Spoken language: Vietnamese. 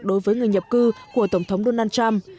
đối với người nhập cư của tổng thống donald trump